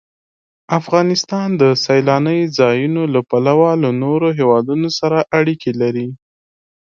افغانستان د سیلانی ځایونه له پلوه له نورو هېوادونو سره اړیکې لري.